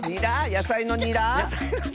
やさいのニラ。